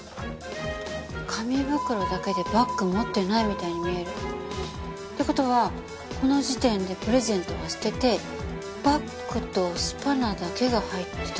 紙袋だけでバッグ持ってないみたいに見える。って事はこの時点でプレゼントは捨ててバッグとスパナだけが入ってたって事？